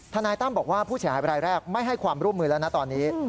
นายตั้มบอกว่าผู้เสียหายบรายแรกไม่ให้ความร่วมมือแล้วนะตอนนี้